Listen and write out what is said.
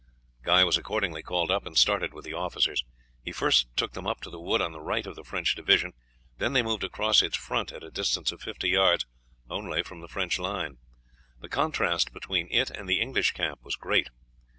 Guy was accordingly called up and started with the officers. He first took them up to the wood on the right of the French division, then they moved across its front at a distance of fifty yards only from the French line. The contrast between it and the English camp was great.